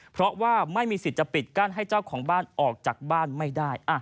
เพราะว่าไม่มีสิทธิ์จะปิดกั้นให้เจ้าของบ้านออกจากบ้านไม่ได้